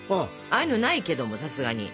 ああいうのないけどもさすがに。